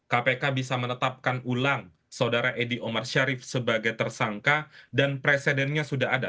kpk bisa menetapkan ulang saudara edy omar sharif sebagai tersangka dan presidennya sudah ada